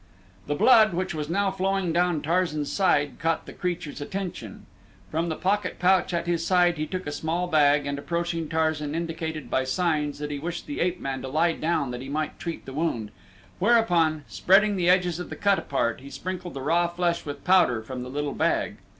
The blood, which was now flowing down Tarzan's side, caught the creature's attention. From the pocket pouch at his side he took a small bag and approaching Tarzan indicated by signs that he wished the ape man to lie down that he might treat the wound, whereupon, spreading the edges of the cut apart, he sprinkled the raw flesh with powder from the little bag.